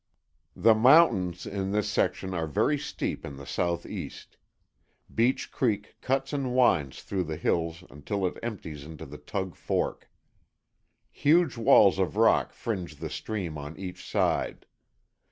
The mountains in this section are very steep to the southeast; Beech Creek cuts and winds through the hills until it empties into the Tug Fork. Huge walls of rock fringe the stream on each side.